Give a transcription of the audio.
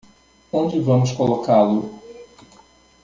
Onde vamos colocá-lo?